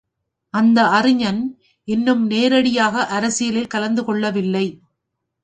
அந்த அறிஞன் இன்னும் நேரடியாக அரசியலில் கலந்து கொள்ளவில்லை.